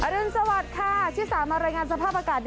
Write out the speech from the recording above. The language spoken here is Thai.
รุนสวัสดิ์ค่ะที่สามารถรายงานสภาพอากาศ